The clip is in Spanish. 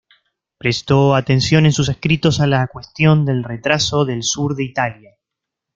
Prestó atención en sus escritos a la cuestión del retraso del sur de Italia.